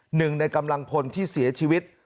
หนึ่งในกำลังพลที่เสียชีวิต